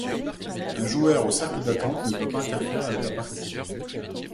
Un joueur au cercle d'attente ne doit pas interférer avec la partie.